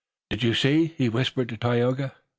"Did you see!" he whispered to Tayoga.